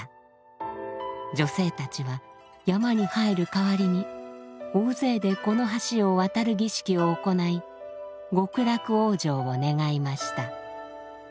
女性たちは山に入る代わりに大勢でこの橋を渡る儀式を行い極楽往生を願いました。